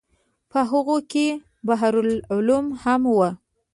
په هغو کې بحر العلوم هم و.